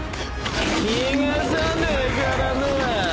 逃がさねえからなぁ。